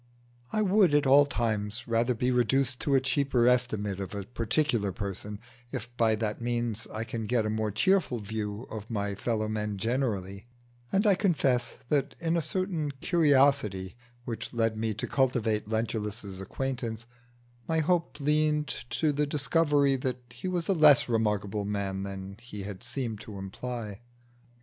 I would at all times rather be reduced to a cheaper estimate of a particular person, if by that means I can get a more cheerful view of my fellow men generally; and I confess that in a certain curiosity which led me to cultivate Lentulus's acquaintance, my hope leaned to the discovery that he was a less remarkable man than he had seemed to imply.